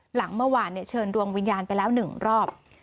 หลังเมื่อวานเชิญดวงวิญญาณไปแล้ว๑รอบ